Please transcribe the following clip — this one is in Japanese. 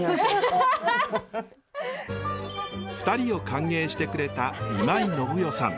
２人を歓迎してくれた今井信代さん。